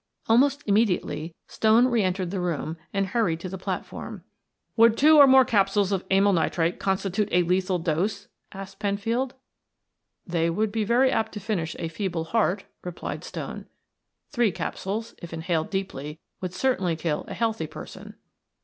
Almost immediately Stone reentered the room and hurried to the platform. "Would two or more capsules of amyl nitrite constitute a lethal dose?" asked Penfield. "They would be very apt to finish a feeble heart," replied Stone. "Three capsules, if inhaled deeply would certainly kill a healthy person."